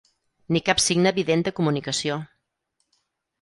Ni cap signe evident de comunicació.